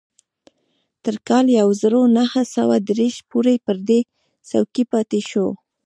تر کال يو زر و نهه سوه دېرش پورې پر دې څوکۍ پاتې شو.